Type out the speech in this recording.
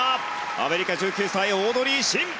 アメリカ、１９歳オードリー・シン。